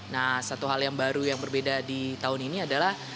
nah satu hal yang baru yang berbeda di tahun ini adalah